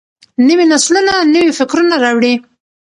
نوي نسلونه نوي فکرونه راوړي.